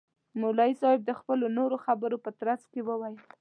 مولوی صاحب د خپلو نورو خبرو په ترڅ کي وویل.